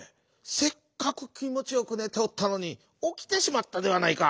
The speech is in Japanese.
せっかくきもちよくねておったのにおきてしまったではないか。